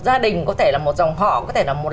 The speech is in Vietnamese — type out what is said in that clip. gia đình có thể là một dòng họ có thể là một